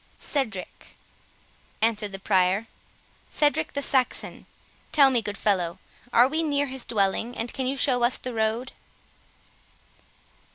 "Cedric," answered the Prior; "Cedric the Saxon.—Tell me, good fellow, are we near his dwelling, and can you show us the road?"